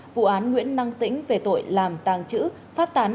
vụ án nguyễn năng tĩnh về tội làm tàng trữ phát tán